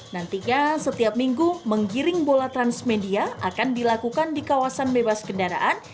nantinya setiap minggu menggiring bola transmedia akan dilakukan di kawasan bebas kendaraan